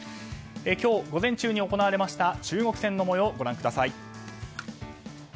今日午前中に行われました中国戦のもようです。